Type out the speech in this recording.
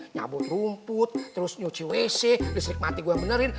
nyabut rumput terus nyuci wc diserikmati gue yang benerin